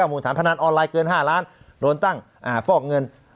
มูลฐานพนันออนไลน์เกิน๕ล้านโดนตั้งฟอกเงิน